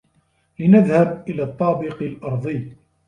لنذهب إلى الطابق الأرضي.